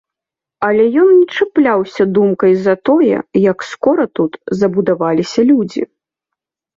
Але ён не чапляўся думкай за тое, як скора тут забудаваліся людзі.